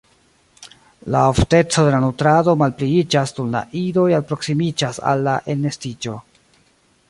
La ofteco de la nutrado malpliiĝas dum la idoj alproksimiĝas al elnestiĝo.